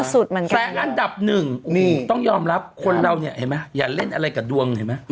แสนอันดับ๑ต้องยอมรับคนเราเนี่ยอย่าเล่นอะไรกับดวง